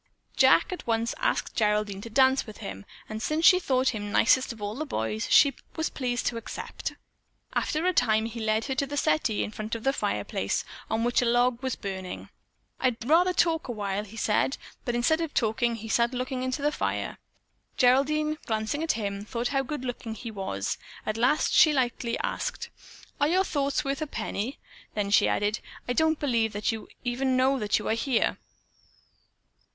Jack at once asked Geraldine to dance with him, and since she thought him nicest of all the boys, she was pleased to accept. After a time he led her to the settee in front of the fireplace, on which a log was burning. "I'd rather talk a while," he said, but, instead of talking, he sat looking into the fire. Geraldine, glancing at him, thought how good looking he was. At last she asked lightly, "Are your thoughts worth a penny?" Then she added, "I don't believe that you even know that you are here."